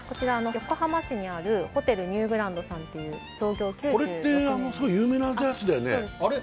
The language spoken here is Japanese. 横浜市にあるホテルニューグランドさんっていうこれってすごい有名なやつだよねあっ